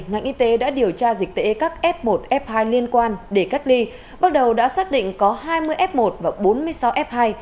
ngành y tế đã điều tra dịch tễ các f một f hai liên quan để cách ly bắt đầu đã xác định có hai mươi f một và bốn mươi sáu f hai